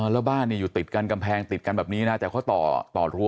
แล้วบ้านอยู่ติดกันกำแพงติดกันแบบนี้นะแต่เขาต่อรั้ว